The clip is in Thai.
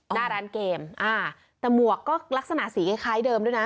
หน้าร้านเกมอ่าแต่หมวกก็ลักษณะสีคล้ายเดิมด้วยนะ